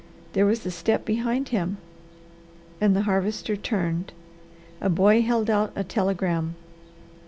There was a step behind him and the Harvester turned. A boy held out a telegram.